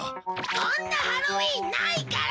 こんなハロウィンないから！